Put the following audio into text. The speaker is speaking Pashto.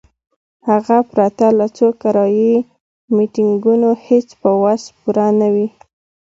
هغه پرته له څو کرایي میټینګونو هیڅ په وس پوره نه وي.